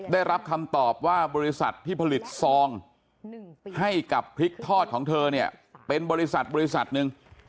ได้รับคำตอบว่าบริษัทที่ผลิตซองให้กับพริกทอดของเธอเนี่ยเป็นบริษัทบริษัทหนึ่ง